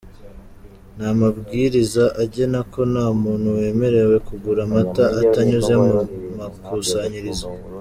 Ni amabwiriza agena ko nta muntu wemerewe kugura amata atanyuze mu makusanyirizo.